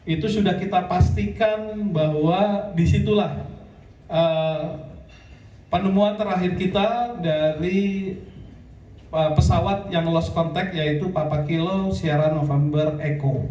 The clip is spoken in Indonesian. itu sudah kita pastikan bahwa disitulah penemuan terakhir kita dari pesawat yang lost contact yaitu papa kilo siara november eko